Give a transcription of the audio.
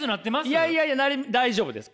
いやいやいや大丈夫です。